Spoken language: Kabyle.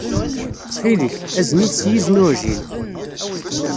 Ttxil-k, azen-it s yizen uɛjil.